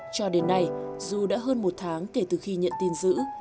cho đến nay dù đã hơn một tháng kể từ khi nhận tin giữ